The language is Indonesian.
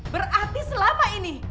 berarti selama ini